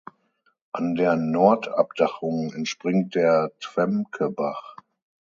An der Nordabdachung entspringt der Twemkebach.